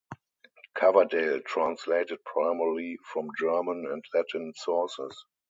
Coverdale translated primarily from German and Latin sources.